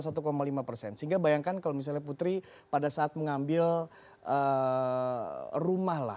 sehingga bayangkan kalau misalnya putri pada saat mengambil rumah lah